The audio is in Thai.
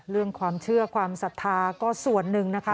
เรื่องความเชื่อความศรัทธาก็ส่วนหนึ่งนะคะ